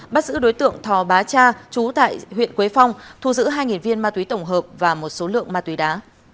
bắt giữ đối tượng thò bá cha chú tại huyện quế phong thu giữ hai viên ma túy tổng hợp và một số lượng ma túy đá